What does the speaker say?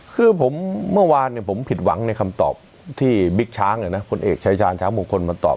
คือผมเมื่อวานผมผิดหวังในคำตอบที่บิ๊กช้างผลเอกชายชาญช้างมงคลมาตอบ